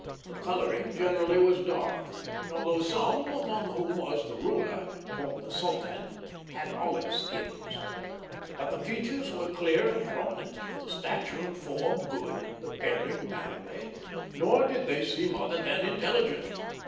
The coloring generally was dark, although some, among whom was the ruler, called the sultan, have olive skins; but the features were clear and prominent, the stature and form good, the bearing manly; nor did they seem other than intelligent.